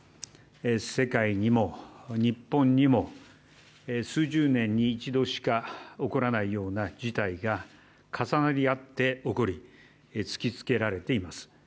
世界にも日本にも数十年に一度しか起こらないような事態が重なり合って起こり突きつけられています。